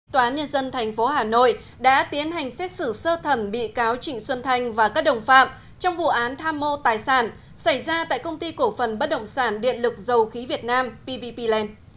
tòa nhân dân tp hà nội đã tiến hành xét xử sơ thẩm bị cáo trịnh xuân thanh và các đồng phạm trong vụ án tham mô tài sản xảy ra tại công ty cổ phần bất động sản điện lực dầu khí việt nam pvp land